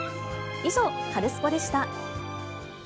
以上、カルスポっ！でした。